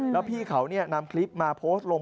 แล้วพี่เขานำคลิปมาโพสต์ลง